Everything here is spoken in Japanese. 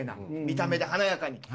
見た目で華やかに。